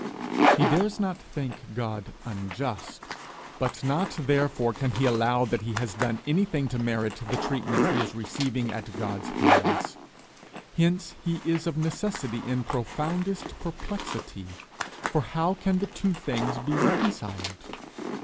He dares not think God unjust, but not therefore can he allow that he has done anything to merit the treatment he is receiving at his hands. Hence is he of necessity in profoundest perplexity, for how can the two things be reconciled?